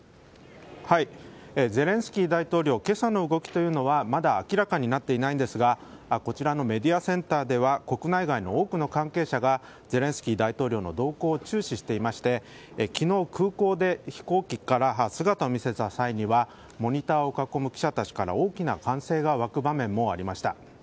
ゼレンスキー大統領けさの動きというのはまだ明らかになっていませんがこちらのメディアセンターでは国内外の多くの関係者がゼレンスキー大統領の動向を注視していて昨日、空港で飛行機から姿を見せた際にはモニターを囲む記者たちから大きな歓声が沸く場面がありました。